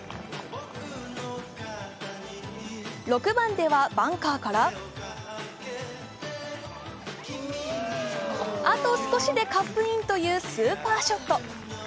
６番ではバンカーからあと少しでカップインというスーパーショット。